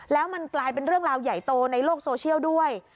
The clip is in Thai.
แล้วมันกลายเป็นเรื่องราวใหญ่โตในโลกโซเชียลด้วย